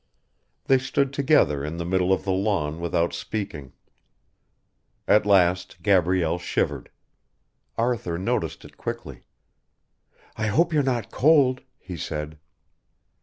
They stood together in the middle of the lawn without speaking. At last Gabrielle shivered. Arthur noticed it quickly. "I hope you're not cold," he said.